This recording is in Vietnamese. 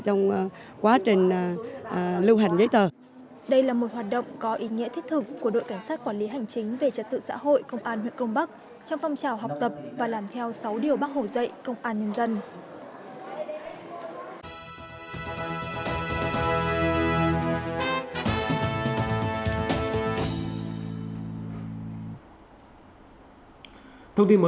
trong quá trình lưu hành giấy tờ